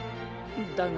だが。